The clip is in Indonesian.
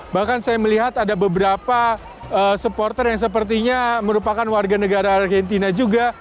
bahkan saya melihat ada beberapa supporter yang sepertinya merupakan warga negara argentina juga